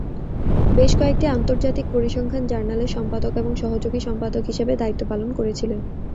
বেশ কয়েকটি আন্তর্জাতিক পরিসংখ্যান জার্নালের সম্পাদক এবং সহযোগী সম্পাদক হিসাবে দায়িত্ব পালন করেছিলেন।